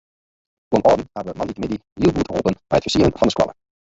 Guon âlden hawwe moandeitemiddei hiel goed holpen mei it fersieren fan de skoalle.